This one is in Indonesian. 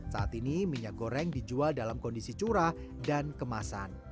saat ini minyak goreng dijual dalam kondisi curah dan kemasan